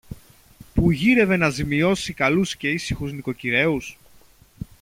που γύρευε να ζημιώσει καλούς και ήσυχους νοικοκυρέους;